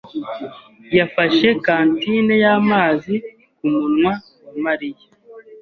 yafashe kantine y'amazi kumunwa wa Mariya.